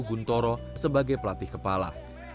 guntoro sebagai pelatih kepala